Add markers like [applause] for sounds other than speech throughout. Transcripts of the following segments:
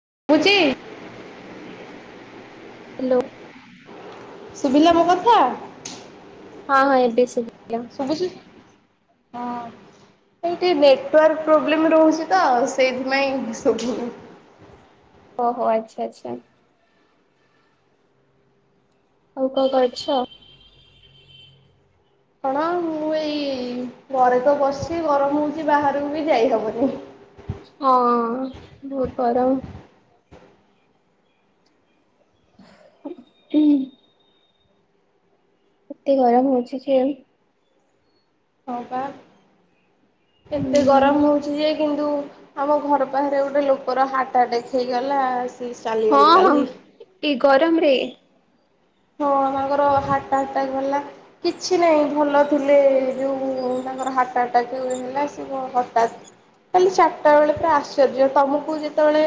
[unintelligible] Hello. ଶୁଭିଲା ମୋ କଥା। ହଁ ହଁ ଏବେ ଶୁଭି ହଁ। ଏଇଠି ନେଟୱାର୍କ ପ୍ରୋବ୍ଲେମ ରହୁଛି ତ ସେଇଥିପାଇଁ ଶୁଭୁନି। ଓହୋ ଆଚ୍ଛା ଆଚ୍ଛା। ଆଉ କଣ କରୁଛ? ହଁ ମୁଁ ଏଇ ଘରେ ତ ବସିଛି ଗରମ ହଉଛି ବାହାରକୁ ବି ଯାଇହବନି। ହଁ ବହୁତ ଗରମ। ହୁଁ। ଏତେ ଗରମ ହଉଛି ଯେ ହଁ ବା କେତେ ହୁଁ ଗରମ ହଉଛି ଯେ? କିନ୍ତୁ ଆମ ଘର ପାଖରେ ଗୋଟେ ଲୋକର ହାଟ୍ଆଟାକ୍ ହେଇଗଲା। ହଁ ହଁ [unintelligible] ଏ ଗରମରେ ହଁ ତାଙ୍କର ହାର୍ଟ ଆଟାକ୍ ଗଲା କିଛି ନାଇଁ ଭଲ ଥିଲେ ଯୋଉ ତାଙ୍କର ହାର୍ଟ ଆଟାକ ଯୋଉ ହେଲା ସିଏ କଣ ହଠାତ କାଲି ଚାରିଟା ବେଳେ ତ ଆଶ୍ଚର୍ଯ୍ୟ ତମକୁ ଯେତେବେଳେ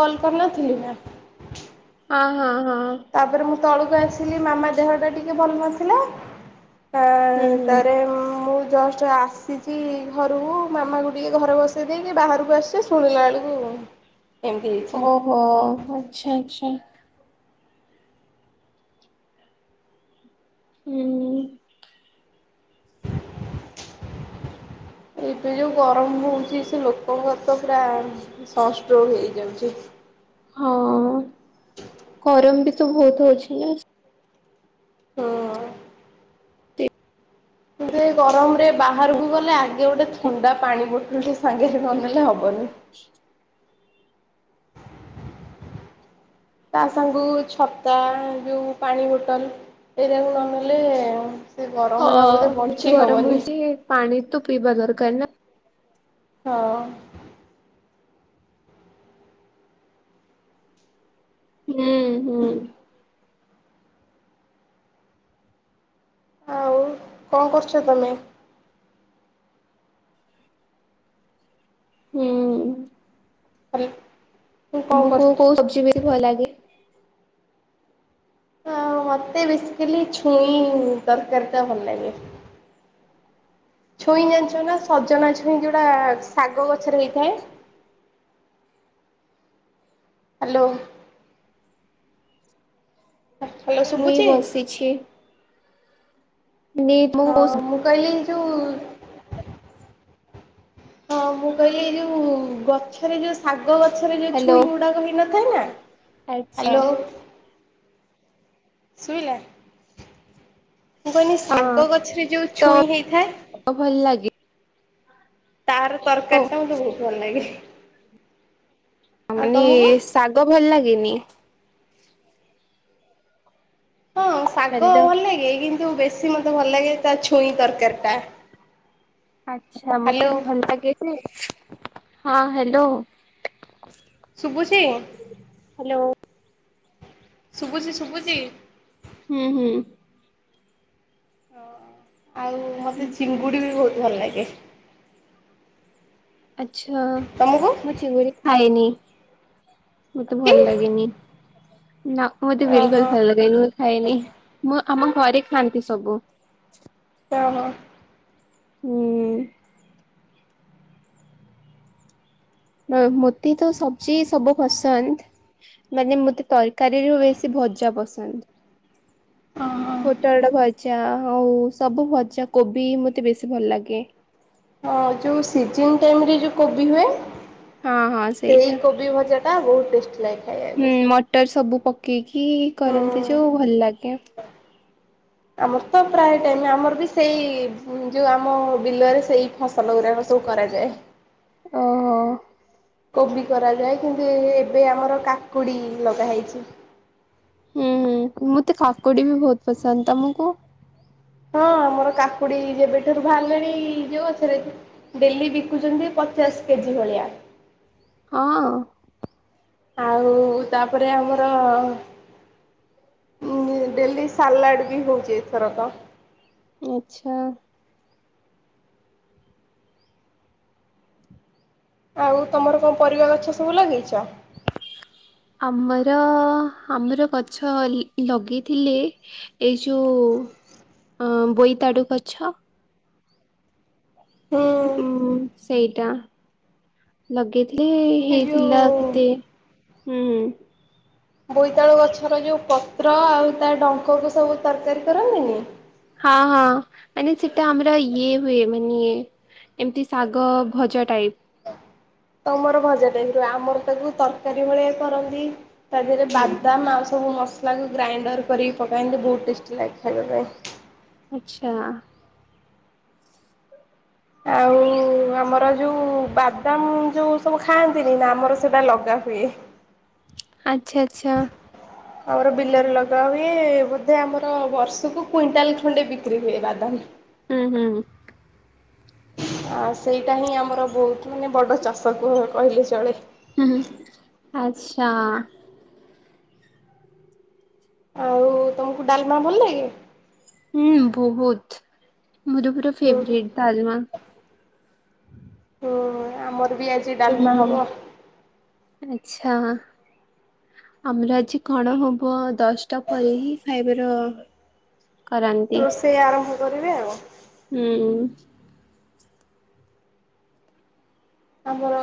କଲ କରିନଥିଲି ନା। ହଁ -ହଁ -ହଁ। ତାପରେ ମୁଁ ତଳକୁ ଆସିଲି ମାମା ଦେହଟା ଟିକେ ଭଲ ନଥିଲା। ହୁଁ ହୁଁ। ତାପରେ ମୁଁ ଜଷ୍ଟ ଆସିଛି ଘରକୁ ମାମାକୁ ଟିକେ ଘରେ ବସେଇ ଦେଇକି ବାହାରକୁ ଆସିଛି ଶୁଣିଲା ବେଳକୁ ହ। ଏମିତି ହେଇଛି ଓହୋ ଆଛା ଆଚ୍ଛା। ହୁଁ। ଏବେ ଯୋଉ ଗରମ ହଉଛି ସେ ଲୋକଙ୍କର ତ ପୁରା ସନ୍ ଷ୍ଟୋକ୍ ହେଇଯାଉଛି। ୍ ହଁ ଗରମ ବି ବହୁତ ହଉଛି ନା। ହଁ। କିନ୍ତୁ ଏ ଗରମ ରେ ବାହାରକୁ ଗଲେ ଆ ଗୋଟେ ଥଣ୍ଡା ପାଣି ବୋଟଲ ସାଙ୍ଗରେ ନ ନେଲେ ହବନି । ତା ସାଙ୍ଗକୁ ଛତା ଏ ଯୋଉ ପାଣି ବୋଟଲ। ଏଇରାକୁ ନ ନେଲେ ସେ ହଁ ଗରମରେ ଆଉ ବୋଧେ ଏତେ ବଞ୍ଚି ଗରମ ହବନି। ହେଇଛି ପାଣି ତ ପିଇବା ଦରକାର ନା। ହଁ। ହୁଁ ହୁଁ। ଆଉ କଣ କରୁଛ ତମେ? ହୁଁ। ହାଲ। ତମକୁ କଉ ସବଜି ବେଶୀ ଭଲ ଲାଗେ? ହ ମତେ ବସିକଲି ଛୁଇଁ ତରକାରତା ଭଲିଲ ଛୁଇଁ ଯାଛ ନା ସଜନା ଛୁଇଁ ଯୋଉଟା ଶାଗ ଗଛରେ ହେଇଥାଏ ଆ ହ୍ୟାଲୋ ହାଲୋ ମୁଁଇ ଶୁଭୁଛି? ବସିଛି ହଁ ହ୍ୟାଲୋ ମୁଁ କିଲ ହଁ ମୁଁ କହିଲି ଏଇ ଯୋଉ ଗଛରେ ଯୋଉ ଶାଗ ଗ ଗଛରେ ଯ ଛୁଇଁ ଗୁଡାକ ହେନଥାଏ ନା ଆଚ୍ଛା ହାଲୋ ଶଇଲା। ମୁଁ କହିଲି ହଁ ଶାଗ ଗଛରେ ଯୋଉ ଛୁଇଁ ତ ହେଇଥାଏ। ଭଲ ଲାଗେ ତାର ତରକାରୀା ମତେ ବହୁତ ଭଲ ଲାଗେ। ଆଉ ମାନେ ତମକୁ? ଶାଗ ଭଲ ଲାଗେନି ହଁ ଶାଗ ହ୍ୟାଲୋ ଭଲ ଲାଗେ କିନ୍ତୁ ବେଶୀ ମତେ ଭଲ ଲାଗେ ତା ଛୁଇଁ ତରକାରୀ ଟା। ଆଛା ମତେ ହ୍ୟାଲୋ ବି ଭଲ ଲାଗେ ହଁ ହ୍ୟାଲୋ। ଶୁଭୁଛି ହ୍ୟାଲୋ। ଶୁଭୁଛି ଶୁଭୁଛି। ହୁଁ ହୁଁ। ହ ଆଉ ମତେ ଚିଙ୍ଗୁଡ଼ି ବି ବହୁତ ଭଲ ଲାଗେ। ଆଛା ତମକୁ ମୁଁ ଚଗ ଖାଏନି ମତେ କି ଭଲ ଲାଗେନି। ନା ମତେ ଓହୋ ବଲ୍କୁଲୁ ଫଲ ଲାଗେନି। ହେଇନି ମୁଁ ଆମ ଘରେ ଖାଆନ୍ତି ସବୁ। ହ ହୁଁ। ମୋତେ ତ ସବଜି ସବୁ ପସନ୍ଦ। ମାନେ ମତେ ତରକାରୀରୁ ବେଶୀ ଭଜା ପସନ୍ଦ। ହଁ। ପୋଟଳ ଭଜା ଆଉ ସବୁ ଭଜା କୋବି ମତେ ବେଶୀ ଭଲ ଲାଗେ। ହଁ ଯୋଉ ସିଜନ ଟାଇମରେ ଯୋଉ କୋବି ହୁଏ। ହଁ ହଁ ସେଇ ସେଇଟା କୋବି ଭଜା ଟା ବହୁତ ଟେଷ୍ଟ୍ ହୁଁ ମଟର ସବୁ ପକେଇକି କରନ୍ତି ହୁଁ। ଯୋଉ ଭଲ ଲାଗେ। ଆମର ତ ପ୍ରାୟ ଟାଇମ ଆମର ବି ସେଇ ଯୋଉ ଆମ ବିଲରେ ସେଇ ଫସଲ ଗୁଡାକ। କରାଯ ଯାଏ। ଓ। କୋବି କରାଯାଏ କିନ୍ତୁ ଏବେ ଆମର କାକୁଡି ଲଗା ହେଇଛି। ହୁଁ ହୁଁ ମତେ ଖାଫକୁଡି ବି ବହୁତ ପସନ୍ଦ ତମକୁ। ହଁ ଆମର କାକୁଡି ଯେବେଠାରୁ ବାହାରିଲେଣି ଯୋଉଛରେ ଡେଲି ବିକୁଛନ୍ତି। ପଚସ୍ କେଜି ଭଳିଆ। ହଁ। ଆଉ ତାପରେ ଆମର। ହଁ ଡେଲି ସାଲାଡ ବି ହଉଛିଥର ତ ଆଚ୍ଛା। ଆଉ ତମର କଣ ପରିବା ଗଛ ସବୁ ଲଗେଇଛ। ଆମର ଆମର ଗଛ ଲଗେଇଥିଲେ ଏ ଯଉ। ଅ ବୋଇତାଡୁ ଗଛ। ହୁଁ ଉଁ ହୁଁ ସେଇଟା ଲଗେଇକି ଲିଇଇଇ ଏଇ ହେଇଥିଲା ଯୋଉ କେତେ ଉଁ-ଉଁ-ଉଁ ବୋଇତାଳୁ ଗଛର ଯୋଉ ପତ୍ର ଆଉ ତା ଡଙ୍କକୁ ସବୁ ତରକାରୀ କରନ୍ତିନି? ହଁ ହଁ ମାନେ ସେଟା ଆମର ଇଏ ହୁଏ ମାନେ ଏମତି ଶାଗ ଭଜା ଟାଇପ୍ ତମର ଭଜା ଟାଇପର ଆମର ତାକୁ ତରକାରୀ ଭଳିଆ କରନ୍ତି। ତା ଦେହରେ ହୁଁ ବାଦାମ ଆଉ ସବୁ ମସ୍ ତାକୁ ଗ୍ରାଇଣ୍ଡର କରିକି ପକାନ୍ତି ବହୁତ୍ ଟେଷ୍ଟି ଲାଗେ ଖାଇବା ପାଇଁ। ଆଚ୍ଛା। ଆଉଉଉ [inaudible] ଆମର ଯୋଉ ବାଦାମ ଯୋଉ ସବୁ ଖାଆନ୍ତିନି ନା, ଆମର ସେଟା ଲଗା ହୁଏ। ଆଚ୍ଛା ଆଚ୍ଛା। ଆମର ବିଲରେ ଲଗା ହୁଏ ବୋଧେ ଆମର ବର୍ଷକୁ କୁଇଣ୍ଟାଲ ଖଣ୍ଡେ ବିକ୍ରି ହୁଏ ବାଦାମ। ହୁଁ ହୁଁ ହୁଁ। ଆ ସେଇଟା ହିଁ ଆମର ବହୁତ ମାନେ ବଡ ଚାଷ କ କହିଲେ ଚଳେ। ହୁଁ, ଆଚ୍ଛା। ଆଉ ତମକୁ ଡାଲମା ଭଲ ଲାଗେ? ଉଁ-ଉଁ-ଉଁ ବହୁତ୍ ମୋର ପୁରା ହୁଁ ଫେଭରେଟ୍ ଡାଲମା। ଓହୋଃ, ଆମର ବି ଆଜି ଡାଲମା ହବ। ଆଛା, ଆମର ଆଜି କଣ ହବ ଦଶଟା ପରେ ହିଁ ଖାଇବେ। ର ରୋଷେଇ ଆରମ୍ଭ କରିବି ଆଉ ହୁଁ। ଆମର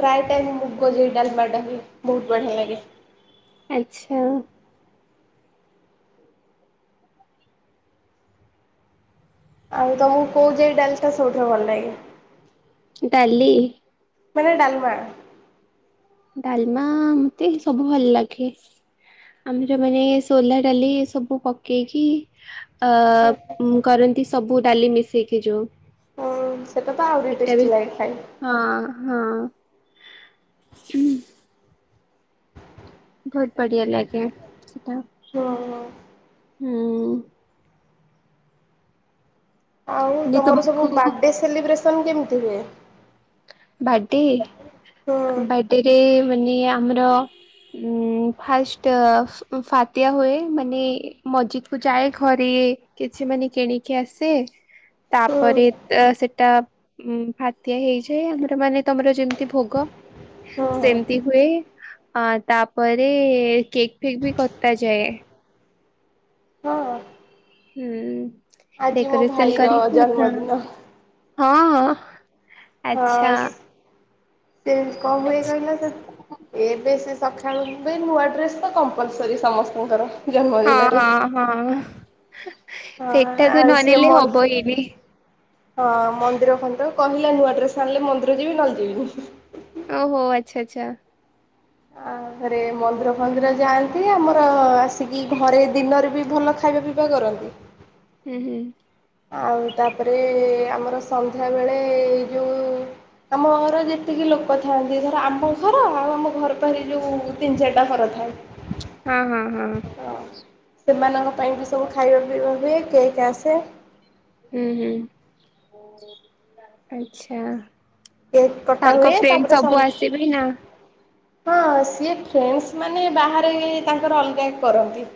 ପ୍ରାୟ ଟାଇମ୍ ମୁଗଜାଇ ଡାଲମାଟା ହୁଏ। ବହୁତ ବଢିଆ ଲାଗେ। ହଉ। ଆଉ ତମକୁ କୋଉ ଜାଇ ଡାଲିଟା ସବୁଠାରୁ ଭଲ ଲାଗେ? ଡାଲି? ମାନେ ଡାଲମା? ଡାଲମା ଏମିତି ସବୁ ଭଲ ଲାଗେ। ଆମର ମାନେ ସୋଲା ଡାଲି ସବୁ ପକେଇକି ଅ-ଅ-ଅ ଉଁ କରନ୍ତି ସବୁ ଡାଲି ମିଶେଇକି ଯୋଉ ହଁଅ-ଅ ସେଟା ତ ଆହୁରି ଏଟା ବି ଟେଷ୍ଟି ଲାଗେ ଖାଇ ହଁ ହଁ ହୁଁ। ବହୁତ ବଢିଆ ଲାଗେ, ସେଟା। ହଁ-ହଁ। ହୁଁ-ଉଁ-ଉଁ ଆଉ ଯେ ତମର ସବୁ ତମକୁ ବାର୍ଥଡେ ସେଲିବ୍ରେସନ୍ କେମିତି ହୁଏ? ବାର୍ଥଡେ, ହୁଁ ବାର୍ଥଡେରେ ମାନେ ଆମର ଉଁ-ଉଁ ଫାଷ୍ଟ ଫାତିଆ ହୁଏ ମାନେ ମଜିଦକୁ ଯାଏ ଘରେ [inaudible] କିଛି ମାନେ କିଣିକି ଆସେ। ହୁଁ ତାପରେ ସେଟା ଉଁ ଫାତିଆ ହେଇଯାଏ ଆମର ମାନେ ତମର ଯେମିତି ଭୋଗ। ହଁ ସେମିତି ହୁଏ। ଆଁ ତାପରେ କେକଫେକ୍ ବି କତା ଯାଏ। ହଁ ହଁ ହୁଁ ଉଁ-ଉଁ-ଉଁ ଆଜି ମୋ ଡେକୋରେସନ ଭାଇର କରିକିନା ଜନ୍ମଦିନ। ହଁ-ହଁ ଆଛା। ହଁ ସେ କଣ ହୁଏ କହିଲ ସେ, ଏବେ ସେ ସଖାଳୁ ବି ନୂଆ ଡ୍ରେସ୍ ତ କମ୍ପଲସରି ସମସ୍ତଙ୍କର। ହଁ- ଜନ୍ମଦିନରେ। ହଁ- ହଁ। ହଁ ସେଇଟା ତ ଆଉ ସେ ନନେଲେ ମ ହବ ହିନି ହଁ ମନ୍ଦିର ଖନ୍ତ କହିଲା ନୂଆ ଡ୍ରେସ୍ ଆଣିଲେ, ମନ୍ଦିର ଯିବି ନହେଲେ ଯିବିନି। ଓ ହୋ ଆଛା ଆଛା। ଘରେ ମନ୍ଦିର ଫନ୍ଦିର ଯାଆନ୍ତି। ଆମର ଆସିକି ଘରେ ଦିନରେ ବି ଭଲ ଖାଇବା ପିଇବା କରନ୍ତି। [inaudible] ହୁଁ ହୁଁ, ଆଉ ତାପରେ ଆମର ସନ୍ଧ୍ୟାବେେଳେ ଏଇ ଯୋଉଁ ଆମ ଘର ଯେତିକି ଲୋକ ଥାଆନ୍ତି, ଧର ଆମ ଘର ଆଉ ଆମ ଘର ବାହାରି ଯୋଉ ତିନି ଚାରିଟା ଘର ଥାଏ [inaudible] ହଁ ହଁ ହଁ। ସେମାନଙ୍କ ପାଇଁ ବି ସବୁ ଖାଇବା ପିଇବା ହୁଏ, କେକ୍ ଆସ ହୁଁ ହୁଁ ଆଚ୍ଛା। କେକ୍ କଟା ତାଙ୍କ ହୁଏ ଫ୍ରେଣ୍ଡ ତାପରେ ସବୁ ଆସିବେ ନା ହଁ ସିଏ ଫ୍ରେଣ୍ଡଶ୍ ମାନେ ବାହାରେ ତାଙ୍କର ଅଲଗା କରନ୍ତି।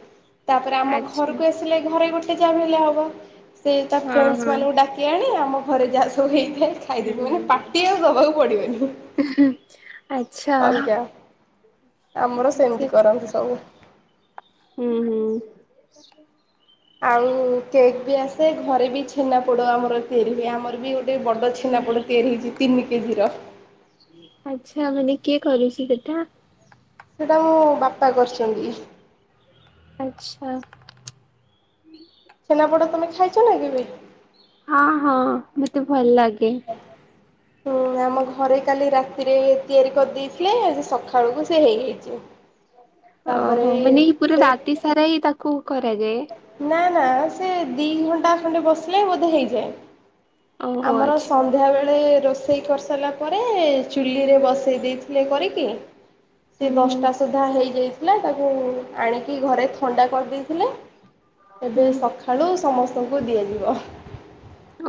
ତାପରେ ଆମ ଆଚ୍ଛା ଘରକୁ ଆସିଲେ, ଘରେ ଗୋଟେ ଯାମ ହେଲେ ହବ। ସେ ତା ହଁ ଫ୍ରେଣ୍ଡସ୍ ହଁ। ମାନଙ୍କୁ ଡାକି ଆଣି ଆମ ଘରେ ଯାହା ସବୁ ହେଇ ହୁଁ ଖାଇଦେବି ମାନେ ପାଟି ହୁଁ ଆଉ ଦବାକୁ ପଡିବନି। ଆଚ୍ଛା। ଅଲଗା ଆମର ସେମିତି କରନ୍ତି ସବୁ। ହୁଁ ହୁଁ। ଆଉ କେକ୍ ବି ଆସେ ଘରେ ବି ଛେନା ପୋଡ ଆମର ତିଆରି ହୁଏ, ଆମର ବି ଗୋଟେ ବଡ ଛେନା ପୋଡ଼ ତିଆରି ହେଇଛି ତିନି କେଜିିର ଆଛା ମାନେ କିଏ କରୁଛି ସେଟା? ସେଟା ମୁଁ ବାପା କରିଛନ୍ତି। ଆଚ୍ଛା। ଛେନାପୋଡ଼ ତମେ ଖାଇଛ ନା କେବେ? ହଁ ହଁ ମତେ ଭଲ ଲାଗେ। ହୁଁ ଆମ ଘରେ କାଲି ରାତିରେ ତିଆରି କରିଦେଇଥିଲେ, ସେ ସକାଳକୁ ସେ ହେଇଯାଇଛି। ତାପରେ ଓହୋ ମାନେ ପୁରା ସେ ରାତି ସାରା ହଁ ତାକୁ କରାଯାଏ। ନା ସେ ଦି ଘଣ୍ଟା ଖଣ୍ଡେ ବସିଲେ ବୋଧେ ହେଇଯାଏ। ଓହୋ ଆମର ଆଚ୍ଛା ସନ୍ଧ୍ୟା ବେଳେ ରୋଷେଇ କରିସାରିଲା ପରେ ଚୁଲିରେ ବସେଇ ଦେଇଥିଲେ କରିକି ସେ ହୁଁ ଦଶଟା ସୁଦ୍ଧା ହେଇଯାଇଥିଲା। ତାକୁ ଆଣିକି ଘରେ ଥଣ୍ଡା କରିଦେଇଥିଲେ। ହୁଁ ଏବେ ସକାଳୁ ସମସ୍ତଙ୍କୁ ଦିଆଯିବ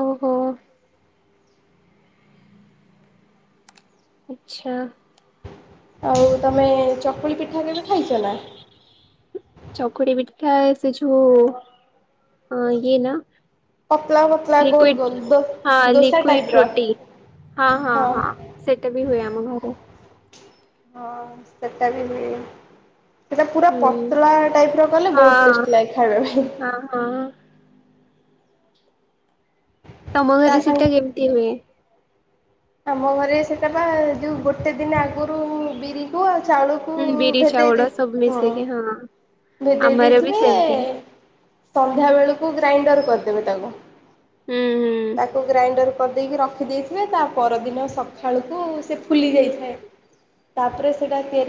ଓହୋ। ଆଛା। ଆଉ ତମେ ଚକୁଳି ପିଠା କେବେ ଖାଇଛ ନା? ଖାଏ ସେଯୋ ୟେ ନା। ପତଳା ପତଳା ଗୋଲ ଲିକ୍ୟୁଡ ଗୋଲ ଦୋ ହଁ ଦୋସା ଟାଇପ ଲିକ୍ୟୁଡ ର ରୋଟି। ହଁ ହଁ ହଁ ସେଇଟା ବି ହୁଏ ଆମ ଘରେ। ହଁ ସେଟା ବି ହୁଏ। ସେଇଟା ପୁରା ହୁଁ ପତଳା ଟାଇପ ର କଲେ ବହୁତ ହଁ ଟେଷ୍ଟି ଲାଗେ, ଖାଇବା ପାଇଁ ହଁ ହଁ [inaudible] [unintelligible] ତମ ତା ଘରେ ସେଟା ସାଙ୍ଗେ କେମିତି ହୁଏ? ଆମ ଘରେ ସେଟା ବା ଯୋଉ ଗୋଟେ ଦିନ ଆଗରୁ ବିରିକୁ ଆ ଚାଉଳକୁ ହୁଁ ବିରି ଭେଦେଇଦି ଚାଉଳ ସବୁ ହଁ ମିଶେଇକି ଭେଦେଇ ଆମର ବି ଦେଇଥିବେ ସେମିତି ସନ୍ଧ୍ୟା ବେଳକୁ ଗ୍ରାଇଣ୍ଡର କରିଦେବି ତାକୁ ହୁଁ ହୁଁ। ତାକୁ ଗ୍ରାଇଣ୍ଡର କରିଦେଇକି ରଖିଦେଇଥିବେ ତା ପରଦିନ ସକାଳୁକୁ ସେ ଫୁଲି ଯାଇଥାଏ, ତାପରେ ସେଟା ତି